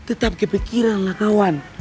tetap kepikiran lah kawan